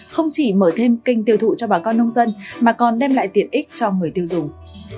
không chỉ mở thêm kênh tiêu thụ cho bà con nông dân mà còn đem lại tiện ích cho người tiêu dùng